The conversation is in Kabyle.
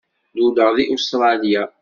Luleɣ deg Ustṛalya.